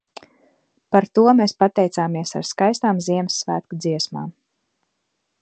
Par to mēs pateicāmies ar skaistām Ziemassvētku dziesmām.